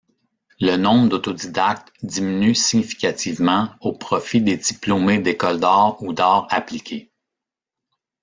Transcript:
Le nombre d'autodidactes diminue significativement, au profit des diplômés d'école d'art ou d'art appliqués.